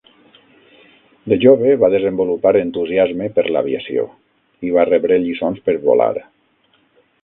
De jove, va desenvolupar entusiasme per l"aviació i va rebre lliçons per volar.